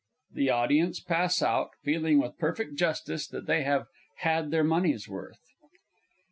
_The Audience pass out, feeling with perfect justice that they have "had their money's worth."